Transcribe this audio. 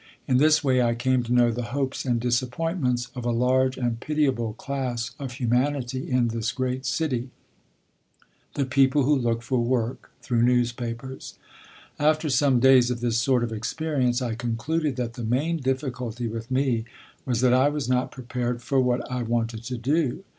In this way I came to know the hopes and disappointments of a large and pitiable class of humanity in this great city, the people who look for work through the newspapers. After some days of this sort of experience I concluded that the main difficulty with me was that I was not prepared for what I wanted to do.